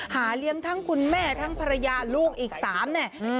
หาเลี้ยงทั้งคุณแม่ทั้งภรรยาลูกอีก๓เนี่ย